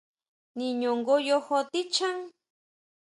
¿Niñu ngoyo tichján?